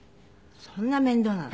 そんな面倒なの？